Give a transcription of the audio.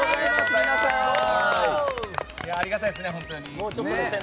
ありがたいですね、本当に。